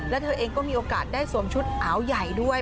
และเธอเองก็มีโอกาสได้สวมชุดอาวใหญ่ด้วย